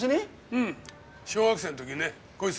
うん小学生の時ねこいつの父親と。